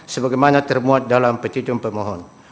sebagaimana termuat dalam petujuan pemohon